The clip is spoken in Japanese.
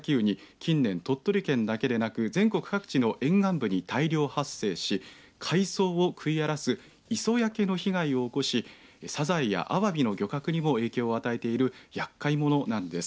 近年鳥取県だけでなく全国各地での沿岸部に大量発生し海藻を食い荒らす磯焼けの被害を起こしさざえやあわびの漁獲にも影響を与えているやっかい者なんです。